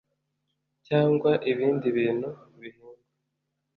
cyangwa ibindi bintu bihingwa